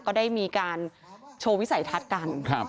ก็ได้มีการโชว์วิสัยทัศน์กัน